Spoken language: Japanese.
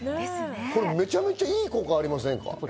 めちゃめちゃいい効果がありません？